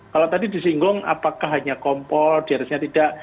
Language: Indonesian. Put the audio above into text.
kalau tadi disinggung apakah hanya kompol diharusnya tidak